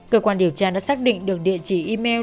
cơ quan điều tra đã xác định được địa chỉ email